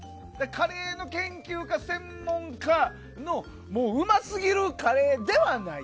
カレーの研究家、専門家のうますぎるカレーではない。